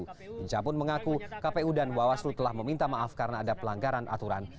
hinca pun mengaku kpu dan bawaslu telah meminta maaf karena ada pelanggaran aturan